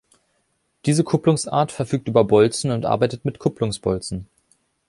Diese Kupplungsart verfügt über Bolzen und arbeitet mit Kupplungsbolzen.